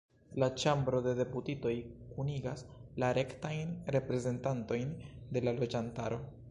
La Ĉambro de Deputitoj kunigas la rektajn reprezentantojn de la loĝantaro.